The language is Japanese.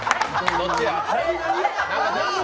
どっちや？